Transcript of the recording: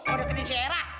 udah ke disera